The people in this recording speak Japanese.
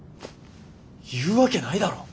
言うわけないだろ！